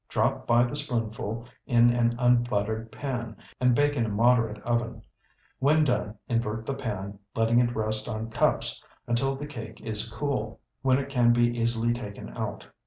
Drop by the spoonful in an unbuttered pan, and bake in a moderate oven. When done, invert the pan, letting it rest on cups till the cake is cool, when it can easily be taken out.